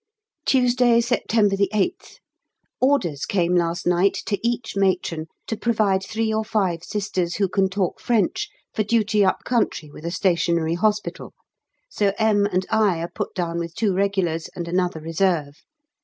Tuesday, September 8th. Orders came last night to each Matron to provide three or five Sisters who can talk French for duty up country with a Stationary Hospital, so M. and I are put down with two Regulars and another Reserve.